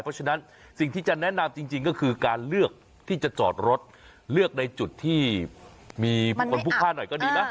เพราะฉะนั้นสิ่งที่จะแนะนำจริงก็คือการเลือกที่จะจอดรถเลือกในจุดที่มีผู้คนพุกผ้าหน่อยก็ดีไหม